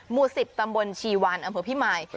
หมู่๑๐ตำบลชีวันอำเภอพิมาย